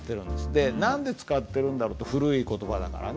で何で使ってるんだろって古い言葉だからね。